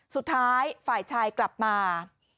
สุดท้ายฝ่ายชายกลับมา